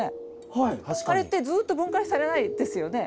あれってずっと分解されないですよね。